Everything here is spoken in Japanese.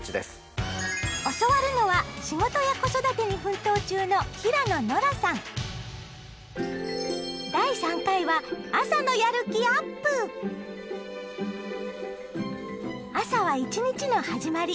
教わるのは仕事や子育てに奮闘中の朝は一日の始まり。